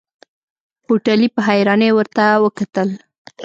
هوټلي په حيرانۍ ورته وکتل.